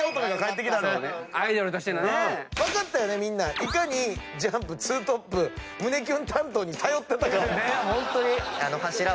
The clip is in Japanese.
いかにＪＵＭＰ２トップ胸キュン担当に頼ってたかを。